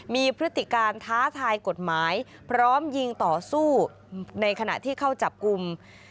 มีพฤติการท้าทายกฎหมายพร้อมยิงต่อสู้ในขณะที่เข้าจับกลุ่ม